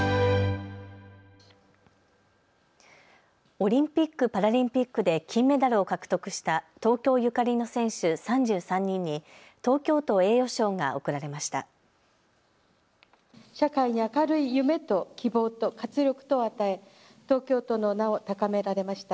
オリンピック・パラリンピックで金メダルを獲得した東京ゆかりの選手３３人に東京都栄誉賞が贈られました。